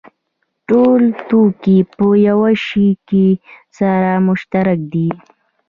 ټول توکي په یوه شي کې سره مشترک دي